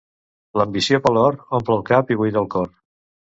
L'ambició per l'or omple el cap i buida el cor.